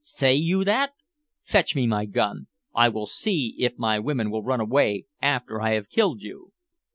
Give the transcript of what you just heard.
say you that! fetch me my gun. I will see if my women will run away after I have killed you."